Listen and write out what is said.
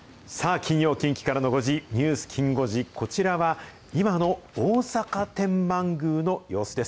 金曜近畿からの５時、ニュースきん５時、こちらは今の大阪天満宮の様子です。